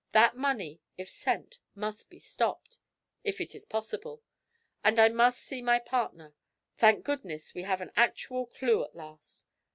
That money, if sent, must be stopped, if it is possible! And I must see my partner. Thank goodness, we have an actual clue at last!'